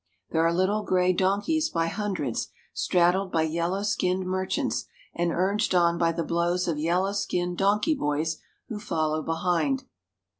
There are little gray don keys by hundreds, straddled by yellow skinned merchants, and urged on by the blows of yellow skinned donkey boys who follow behind.